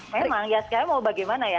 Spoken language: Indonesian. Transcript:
memang ya sekali mau bagaimana ya